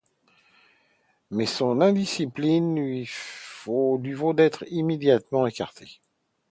Mais son indiscipline lui vaut d'être immédiatement écarté.